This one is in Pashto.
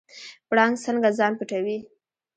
پړانګ څنګه ځان پټوي؟